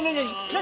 何？